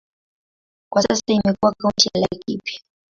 Kwa sasa imekuwa kaunti ya Laikipia.